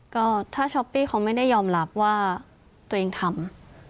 ก็ถ้าช้อปปี้เขาไม่ได้ยอมรับว่าตัวเองทำ